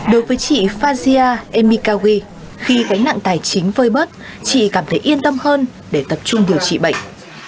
đối với chị fajia emikawi khi gánh nặng tài chính vơi bớt chị cảm thấy yên tâm hơn để tập trung điều trị bệnh